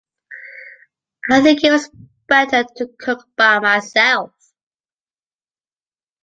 I think it was better to cook by myself